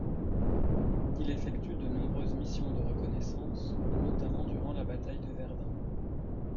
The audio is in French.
Il effectue de nombreuses missions de reconnaissance, notamment durant la bataille de Verdun.